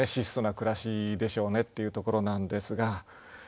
質素な暮らしでしょうねっていうところなんですが。